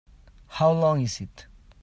How long is it?